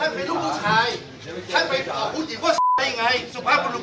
เป็นผู้ชายยังไงมันปัดเหมือนบางว่าผู้หญิง